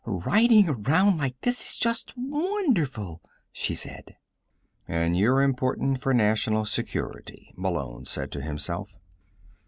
"Riding around like this is just wonderful!" she said. And you're important for national security, Malone said to himself.